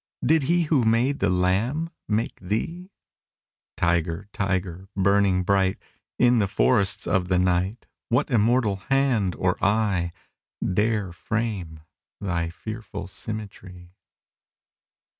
Did he who made the Lamb make thee? Tyger! Tyger! burning bright In the forests of the night, What immortal hand or eye Dare frame thy fearful symmetry?